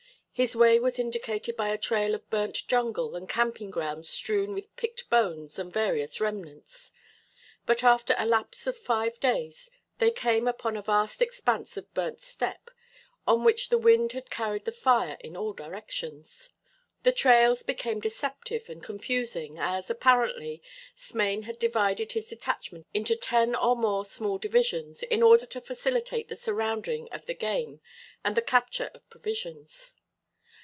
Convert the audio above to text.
His way was indicated by a trail of burnt jungle and camping grounds strewn with picked bones and various remnants. But after the lapse of five days they came upon a vast expanse of burnt steppe, on which the wind had carried the fire in all directions. The trails became deceptive and confusing, as, apparently, Smain had divided his detachment into ten or more small divisions, in order to facilitate the surrounding of the game and the capture of provisions.